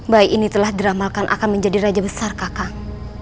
bayi ini telah diramalkan akan menjadi raja besar kakang